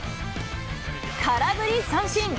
空振り三振。